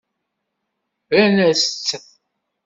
Rran-as-tt.